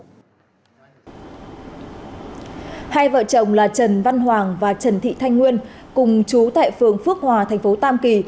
hai vợ chồng là trần văn hoàng và trần thị thanh nguyên cùng chú tại phường phước hòa thành phố tam kỳ